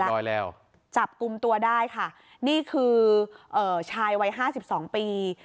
ร้อยแล้วจับกลุ่มตัวได้ค่ะนี่คือเอ่อชายวัยห้าสิบสองปี